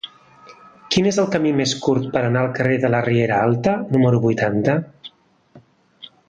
Quin és el camí més curt per anar al carrer de la Riera Alta número vuitanta?